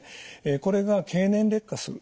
これが経年劣化する。